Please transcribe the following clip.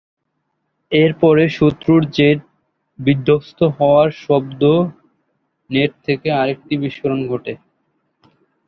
এর পরে শত্রুর জেট বিধ্বস্ত হওয়ার শব্দে নেট থেকে আরেকটি বিস্ফোরণ ঘটে।